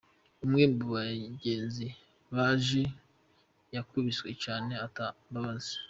"Umwe mu bagenzi banje yakubiswe cane ata mbabazi.